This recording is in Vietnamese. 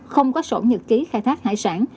không có sổn nhật ký khai thác hải sản